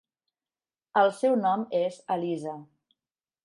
El seu nom és Elisa.